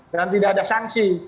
dan tidak ada sanksi